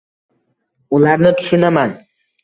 Ularni tushunaman